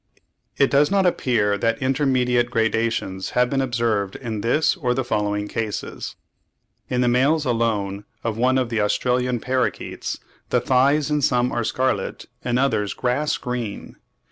It does not appear that intermediate gradations have been observed in this or the following cases. In the males alone of one of the Australian parrakeets "the thighs in some are scarlet, in others grass green."